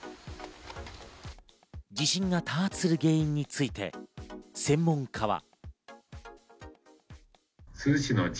地震が多発する原因について専門家は。